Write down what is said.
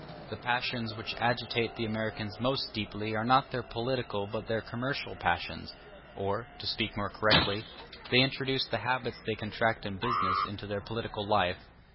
The passions which agitate the Americans most deeply are not their political but their commercial passions; or, to speak more correctly, they introduce the habits they contract in business into their political life.